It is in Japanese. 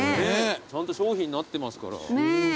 ちゃんと商品になってますから。ねぇ。